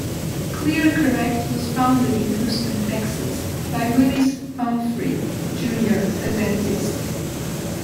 ClearCorrect was founded in Houston, Texas, by Willis Pumphrey, Junior a dentist.